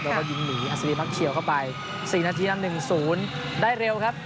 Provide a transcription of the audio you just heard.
แล้วก็ยิงหนีอัศรีมักเฉียวเข้าไป๔นาทีนำ๑๐ได้เร็วครับ